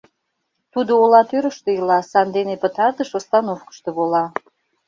Тудо ола тӱрыштӧ ила, сандене пытартыш остановкышто вола.